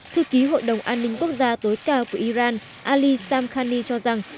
thư ký hội đồng an ninh quốc gia tối cao của iran ali samkhani cho rằng